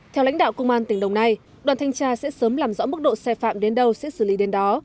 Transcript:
theo lãnh đạo công an tỉnh đồng nai đoàn thanh tra sẽ sớm làm rõ mức độ xe phạm đến đâu sẽ xử lý đến đó